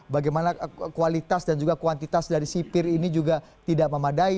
bagaimana kualitas dan juga kuantitas dari sipir ini juga tidak memadai